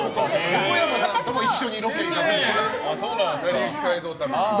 横山さんとも一緒にロケ行かせていただいて。